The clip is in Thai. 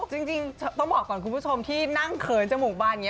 จริงต้องบอกก่อนคุณผู้ชมที่นั่งเขินจมูกบานอย่างนี้